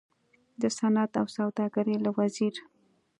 د صنعت او سوداګرۍ له وزیر